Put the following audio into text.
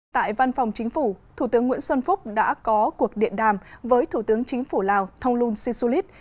tại văn phòng chính phủ thủ tướng nguyễn xuân phúc đã có cuộc điện đàm với thủ tướng chính phủ lào thông lung sisulit